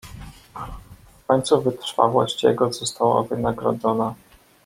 "W końcu wytrwałość jego została wynagrodzona."